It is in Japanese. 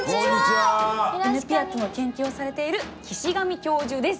イヌピアットの研究をされている岸上教授です。